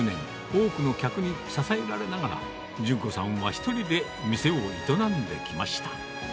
多くの客に支えられながら、順子さんは１人で店を営んできました。